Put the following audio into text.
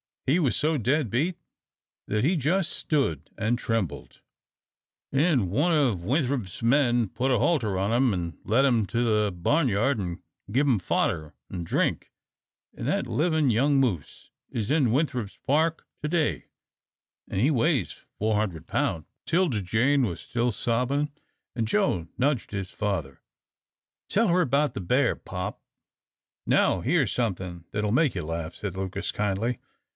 He was so dead beat that he jus' stood an' trembled, an' one o' Winthrop's men put a halter on him, an' led him to the barnyard an' give him fodder an' drink, an' that livin' young moose is in Winthrop's park to day, an' he weighs four hundred pound." 'Tilda Jane was still sobbing, and Joe nudged his father. "Tell her 'bout the bear, pop." "Now here's somethin' that'll make you laugh," said Lucas, kindly.